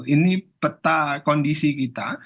ini peta kondisi kita